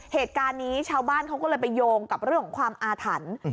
เหตุการณ์นี้ชาวบ้านเขาก็เลยไปโยงกับเรื่องของความอาถรรพ์